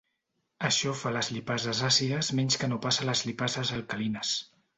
Això fa a les lipases àcides menys que no pas les lipases alcalines.